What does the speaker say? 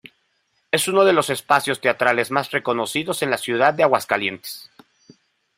Es uno de los espacios teatrales más reconocidos en la ciudad de Aguascalientes.